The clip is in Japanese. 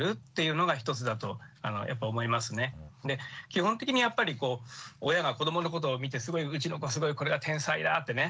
基本的にやっぱりこう親が子どものことを見てすごいうちの子すごいこれが天才だってね思う